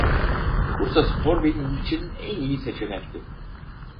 Bursaspor benim için en iyi seçenekti.